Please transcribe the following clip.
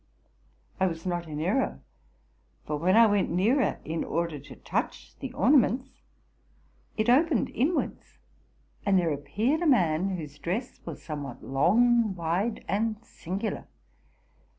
I was not in error; for, when I went nearer in order to touch the orna ments, it Opened inwards; and there appeared a man whose dress was somewhat long, wide, and singular.